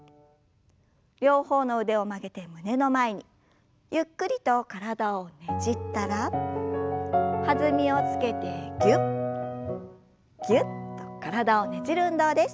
両方の腕を曲げて胸の前にゆっくりと体をねじったら弾みをつけてぎゅっぎゅっと体をねじる運動です。